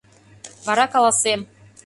Вара каласем.